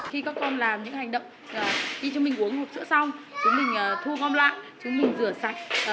khi các con làm những hành động khi cho mình uống hộp sữa xong chúng mình thu gom lại chứ mình rửa sạch